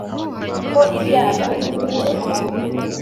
ko ibyaha byamaze gukabya